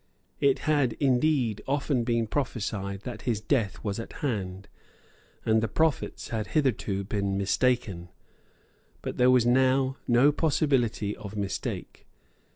It had, indeed, often been prophesied that his death was at hand; and the prophets had hitherto been mistaken. But there was now no possibility of mistake.